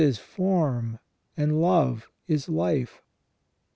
17 is form, and love is life.